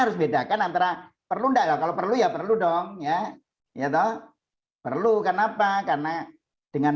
harus bedakan antara perlu enggak kalau perlu ya perlu dong ya ya tahu perlu kenapa karena dengan